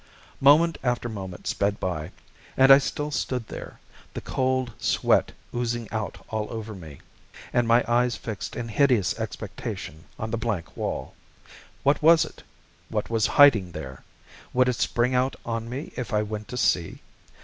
Moment after moment sped by, and I still stood there, the cold sweat oozing out all over me, and my eyes fixed in hideous expectation on the blank wall. What was it? What was hiding there? Would it spring out on me if I went to see?